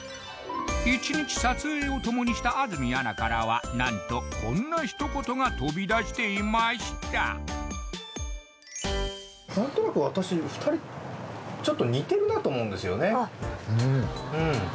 １日撮影をともにした安住アナからは何とこんな一言が飛び出していましたあっ！